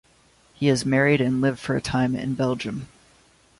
He is married and lived for a time in Belgium.